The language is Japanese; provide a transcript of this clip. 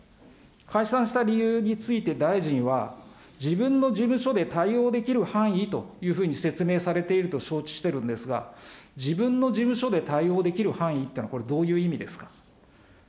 解散した理由について、大臣は自分の事務所で対応できる範囲と説明されていると承知しているんですが、自分の事務所で対応できる範囲っていうのは、どういう意味ですか。